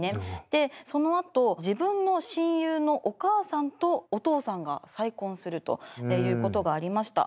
でそのあと自分の親友のお母さんとお父さんが再婚するということがありました。